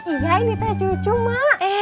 iya ini teh cucu cuma